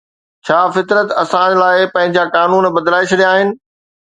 ڇا فطرت اسان لاءِ پنهنجا قانون بدلائي ڇڏيا آهن؟